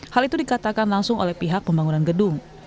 hal itu dikatakan langsung oleh pihak pembangunan gedung